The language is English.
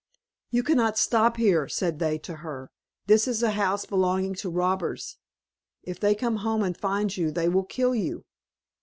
"You cannot stop here," said they to her, "this is a house belonging to robbers; if they come home, and find you, they will kill you."